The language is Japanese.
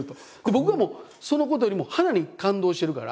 僕はもうそのことよりも花に感動してるから。